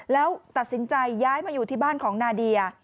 แล้วตัดสินใจย้ายมาอยู่ที่บ้านของนาเดีย